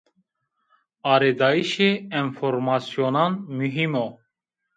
Arêdayîşê enformasyonan muhîm o